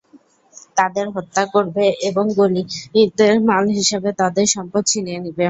তাদের হত্যা করবে এবং গনীমতের মাল হিসাবে তাদের সম্পদ ছিনিয়ে নিবে।